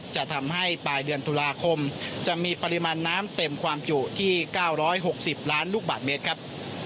จะทำให้ปลายเดือนตุลาคมจะมีปริมาณน้ำเต็มความจุที่๙๖๐ล้านลูกบาทเมตรครับ